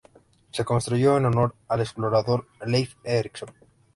Se construyó en honor al explorador Leif Eriksson.